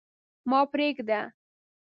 ما پرېږده.